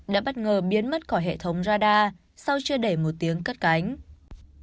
đã bất ngờ biến mất khỏi hệ thống radar sau chưa để một tiếng cắt cánh